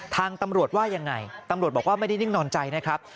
ทางตำรวจว่ายังไงตำรวจบอกว่าไม่ได้นิ่งนอนใจนะครับ